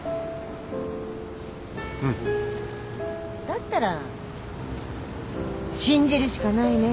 だったら信じるしかないね。